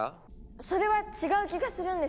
それは違う気がするんです。